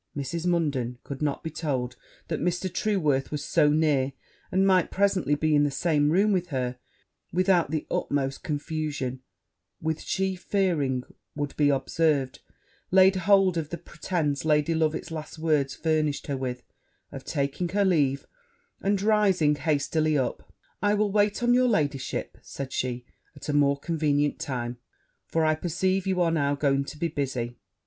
Mrs. Munden could not be told that Mr. Trueworth was so near, and might presently be in the same room with her, without the utmost confusion; which she fearing would be observed, laid hold of the pretence Lady Loveit's last words furnished her with, of taking her leave; and, rising hastily up, 'I will wait on your ladyship,' said she, 'at a more convenient time; for I perceive you are now going to be busy.'